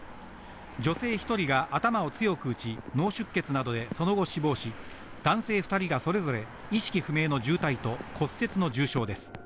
女性１人が頭を強く打ち、脳出血などでその後死亡し、男性２人がそれぞれ意識不明の重体と骨折の重傷です。